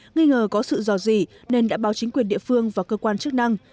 nghi ngờ có sự dò dỉ nên đã báo chính quyền địa phương và cơ quan chức năng